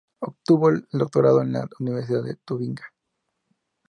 Obtuvo el doctorado en la Universidad de Tubinga.